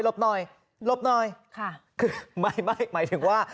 ลบหน่อยค่ะคือไม่หมายถึงว่า